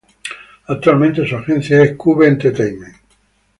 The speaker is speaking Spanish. Actualmente su agencia es Cube Entertainment.